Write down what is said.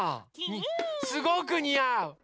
すごくにあう！